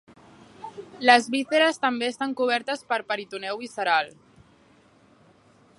Les vísceres també estan cobertes per peritoneu visceral.